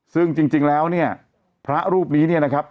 ซึ่งจริงแล้วเนี่ยพระรูปนี้เนี่ยนะครับ